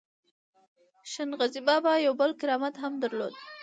شل ګزی بابا یو بل کرامت هم درلود.